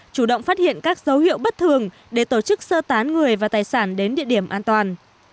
chủ động phát hiện các dấu hiệu bất thường để tổ chức sơ tán người và tài sản đến địa điểm an toàn